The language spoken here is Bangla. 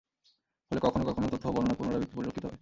ফলে কখনো কখনো তথ্য ও বর্ণনার পুনরাবৃত্তি পরিলক্ষিত হয়।